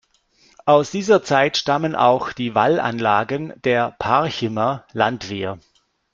Aus dieser Zeit stammen auch die Wallanlagen der Parchimer Landwehr.